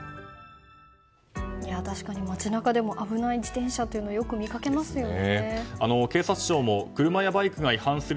確かに街中でも危ない自転車をよく見かけますよね。